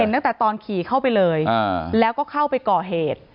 ตั้งแต่ตอนขี่เข้าไปเลยแล้วก็เข้าไปก่อเหตุ